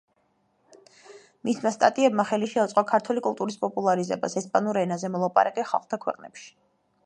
მისმა სტატიებმა ხელი შეუწყო ქართული კულტურის პოპულარიზებას ესპანურ ენაზე მოლაპარაკე ხალხთა ქვეყნებში.